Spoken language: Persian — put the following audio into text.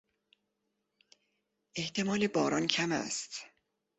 احتمال باران کم است.